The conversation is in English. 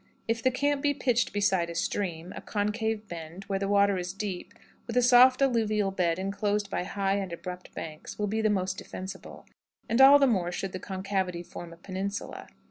If the camp be pitched beside a stream, a concave bend, where the water is deep, with a soft alluvial bed inclosed by high and abrupt banks, will be the most defensible, and all the more should the concavity form a peninsula.